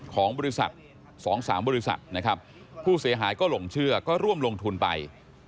ของบริษัท๒๓บริษัทนะครับผู้เสียหายก็หลงเชื่อก็ร่วมลงทุนไป